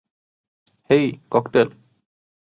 হেই, cocktail.